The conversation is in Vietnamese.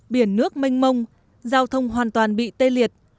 biển nước mênh mông giao thông hoàn toàn bị tê liệt